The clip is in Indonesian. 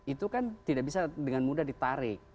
itu kan tidak bisa dengan mudah ditarik